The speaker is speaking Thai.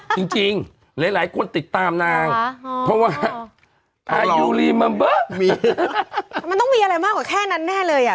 จริงจริงหลายหลายคนติดตามนางเพราะว่ามีมันต้องมีอะไรมากกว่าแค่นั้นแน่เลยอ่ะ